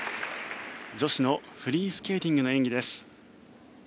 女子のフリースケーティングの演技です。